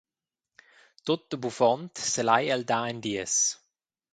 Tut a buffond selai el dar en dies.